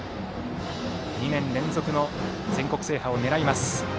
２年連続の全国制覇を狙います。